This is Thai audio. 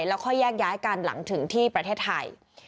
แล้วค่อยแยกย้ายกันหลังถึงที่ประเทศไทย